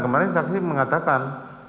kemarin saksi mengatakan